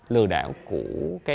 lừa đảo của